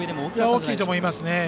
大きいと思いますね。